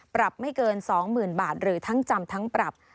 ปรับไม่เกิน๒๐๐๐บาทหรือทั้งจำทั้งปรับ